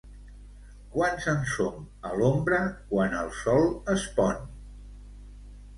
Quants en som a l'ombra, quan el sol es pon!